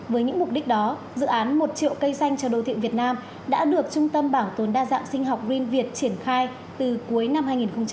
với những mục đích đó dự án một triệu cây xanh cho đô thị việt nam đã được trung tâm bảo tồn đa dạng sinh học green việt triển khai từ cuối năm hai nghìn một mươi chín